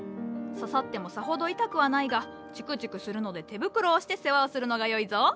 刺さってもさほど痛くはないがチクチクするので手袋をして世話をするのがよいぞ。